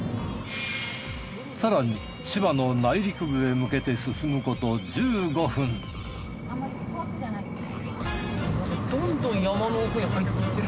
さらに千葉の内陸部へ向けて進むこと１５分そうですね